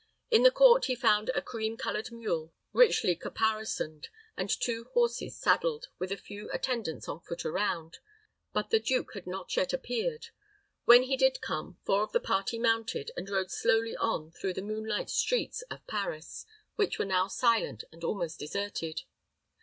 In the court he found a cream colored mule richly caparisoned, and two horses saddled, with a few attendants on foot around; but the duke had not yet appeared. When he did come, four of the party mounted, and rode slowly on through the moonlight streets of Paris, which were now silent, and almost deserted.